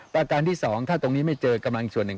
ประการที่สองถ้าตรงนี้ไม่เจอกำลังอีกส่วนหนึ่ง